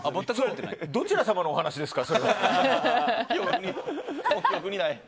どちら様のお話ですか？